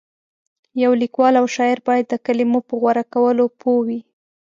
یو لیکوال او شاعر باید د کلمو په غوره کولو پوه وي.